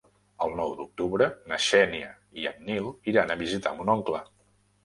El nou d'octubre na Xènia i en Nil iran a visitar mon oncle.